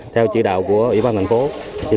theo chỉ đạo của ủy ban thành phố